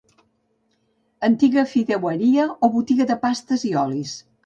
Antiga fideueria o botiga de pastes i olis.